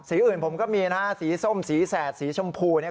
อื่นผมก็มีนะฮะสีส้มสีแสดสีชมพูเนี่ย